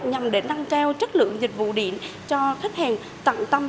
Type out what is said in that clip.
nhằm để nâng cao chất lượng dịch vụ điện cho khách hàng tận tâm